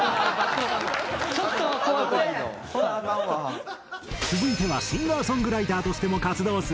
続いてはシンガー・ソングライターとしても活動する須田。